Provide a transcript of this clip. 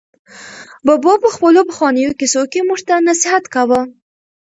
ببو په خپلو پخوانیو کیسو کې موږ ته نصیحت کاوه.